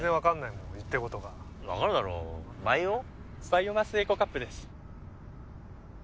バイオマスエコカップです。